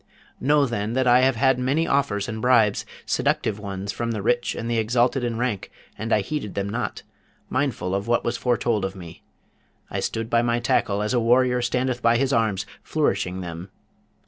Know then, that I have had many offers and bribes, seductive ones, from the rich and the exalted in rank; and I heeded them not, mindful of what was foretold of me. I stood by my tackle as a warrior standeth by his arms, flourishing them.